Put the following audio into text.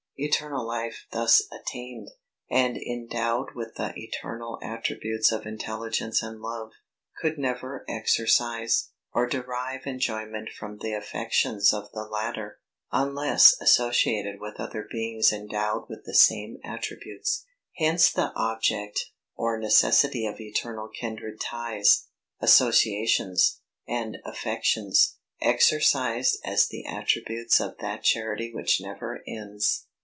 Eternal life thus attained, and endowed with the eternal attributes of intelligence and love, could never exercise, or derive enjoyment from the affections of the latter, unless associated with other beings endowed with the same attributes. Hence the object, or necessity of eternal kindred ties, associations, and affections, exercised as the attributes of that charity which never ends.